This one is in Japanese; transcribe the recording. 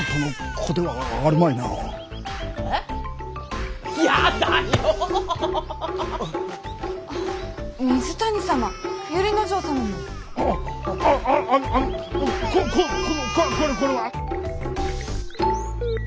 これこれこれは！